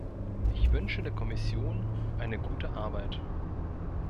Ich wünsche der Kommission eine gute Arbeit.